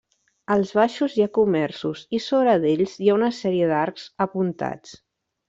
Als baixos hi ha comerços i sobre d'ells hi ha una sèrie d'arcs apuntats.